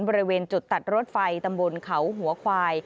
บริเวณจุดตัดรถไฟตำบลเขาหัวควาย